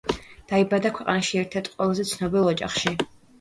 დაიბადა ქვეყანაში ერთ-ერთ ყველაზე ცნობილ ოჯახში.